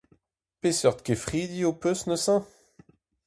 Peseurt kefridi ho peus neuze ?